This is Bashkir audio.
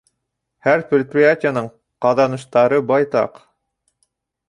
Һәр предприятиеның ҡаҙаныштары байтаҡ.